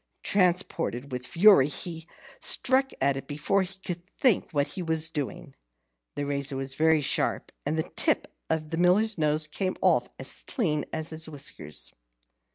Transported with fury, he struck at it before he could think what he was doing. The razor was very sharp, and the tip of the Miller's nose came off as clean as his whiskers.